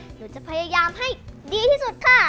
หนูจะพยายามให้ดีที่สุดค่ะ